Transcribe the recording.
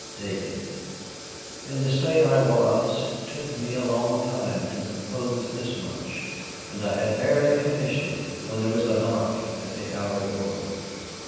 "DAVID." In the state I was it took me a long time to compose this much, and I had barely finished it when there was a knock at the outer door.